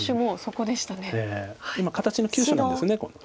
形の急所なんですこれ。